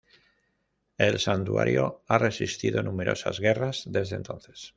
El santuario ha resistido numerosas guerras desde entonces.